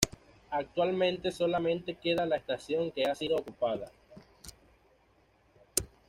Actualmente solamente queda la estación que ha sido ocupada.